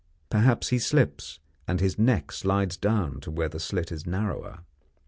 Perhaps he slips, and his neck slides down to where the slit is narrower.